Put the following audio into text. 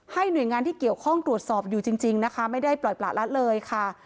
หน่วยงานที่เกี่ยวข้องตรวจสอบอยู่จริงนะคะไม่ได้ปล่อยประละเลยค่ะ